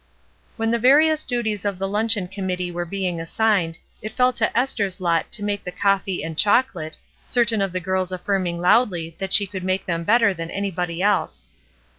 When the various duties of the limcheon committee were being assigned, it fell to Esther's lot to make the coffee and chocolate, certain of the girls affirming loudly that she could make them better than anybody else.